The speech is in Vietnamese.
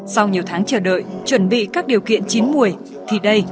sau nhiều tháng chờ đợi chuẩn bị các điều kiện chín mùi thì đây